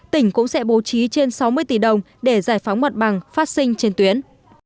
tỉnh cũng sẽ bố trí trên sáu mươi tỷ đồng để giải phóng mặt bằng phát sinh trên tuyến